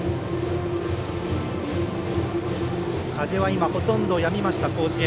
風は今、ほとんどやみました甲子園。